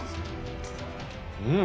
うん。